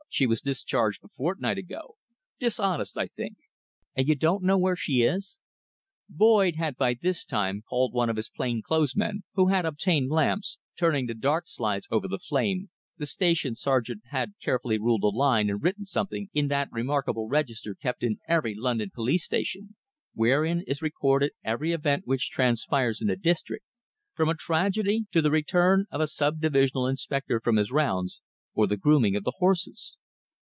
She was discharged a fortnight ago. Dishonest, I think." "And you don't know where she is?" Boyd had by this time called one of his plain clothes men, who had obtained lamps, turning the dark slides over the flame, the station sergeant had carefully ruled a line and written something in that remarkable register kept in every London police station, wherein is recorded every event which transpires in the district, from a tragedy to the return of the sub divisional inspector from his rounds, or the grooming of the horses.